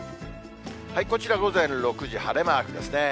こちら、午前６時、晴れマークですね。